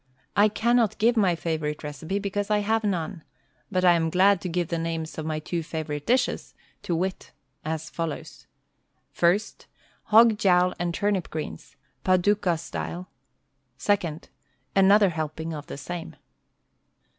I cannot give my favorite recipe because I have none; but I am glad to give the names of my two favorite dishes, to wit, as follows:; ist^ — H'o^jowl and turnip greens — Paducah stylet 2nd — ^Another helping of the, same.